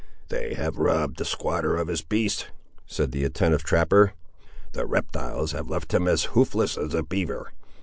"They have robbed the squatter of his beasts!" said the attentive trapper. "The reptiles have left him as hoofless as a beaver!"